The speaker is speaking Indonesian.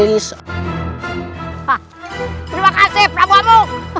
terima kasih prabowo